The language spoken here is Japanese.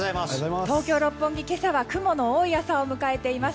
東京・六本木、今朝は雲の多い朝を迎えています。